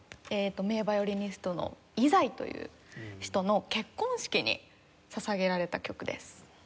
名ヴァイオリニストのイザイという人の結婚式に捧げられた曲です。